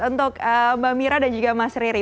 untuk mbak mira dan juga mas riri